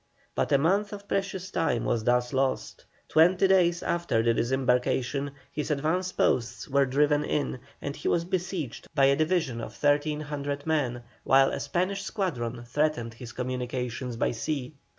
But a month of precious time was thus lost. Twenty days after the disembarkation, his advanced posts were driven in, and he was besieged by a division of 1,300 men, while a Spanish squadron threatened his communications by sea.